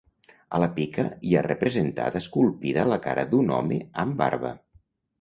A la pica hi ha representada esculpida la cara d'un home amb barba.